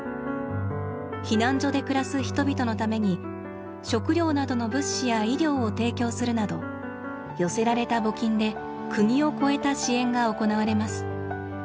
避難所で暮らす人々のために食料などの物資や医療を提供するなど寄せられた募金で国を超えた支援が行われます。